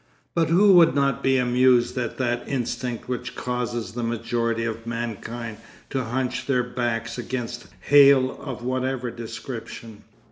But who would not be amused at that instinct which causes the majority of mankind to hunch their backs against hail of whatever description?